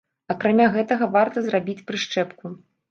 Акрамя гэтага варта зрабіць прышчэпку.